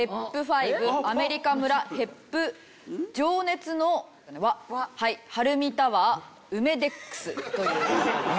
「アメリカ村」「Ｈｅｐ」「情熱の輪」「ハルミタワー」「ウメデックス」という。